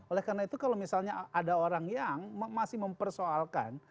oleh karena itu kalau misalnya ada orang yang masih mempersoalkan